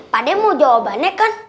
pade mau jawabannya kan